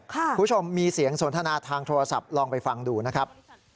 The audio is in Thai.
คุณผู้ชมมีเสียงสนทนาทางโทรศัพท์ลองไปฟังดูนะครับ